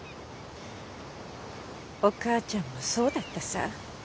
お母ちゃんもそうだったさぁ。